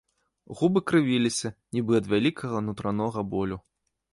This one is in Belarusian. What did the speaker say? Губы крывіліся, нібы ад вялікага нутранога болю.